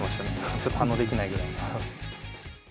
ちょっと反応できないくらい。